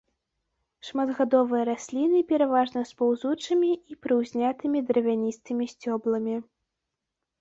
Шматгадовыя расліны пераважна з паўзучымі і прыўзнятымі дравяністымі сцёбламі.